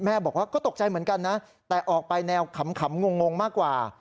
บอกว่าก็ตกใจเหมือนกันนะแต่ออกไปแนวขำงงมากกว่า